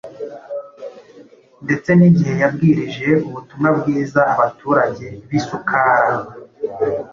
ndetse n’igihe yabwirije ubutumwa bwiza abaturage b’ i Sukara.